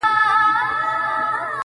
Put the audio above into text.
دا چي له کتاب سره ياري کوي،